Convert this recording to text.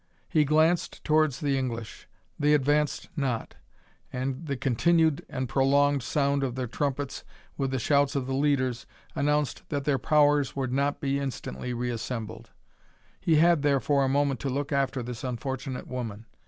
He glanced towards the English. They advanced not, and the continued and prolonged sound of their trumpets, with the shouts of the leaders, announced that their powers would not be instantly re assembled. He had, therefore, a moment to look after this unfortunate woman.